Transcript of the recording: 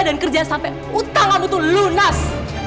dan kerja sampe utang kamu tuh lunas